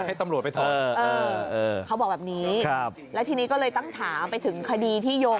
เออเออเออเขาบอกแบบนี้แล้วทีนี้ก็เลยตั้งถามไปถึงคดีที่โยง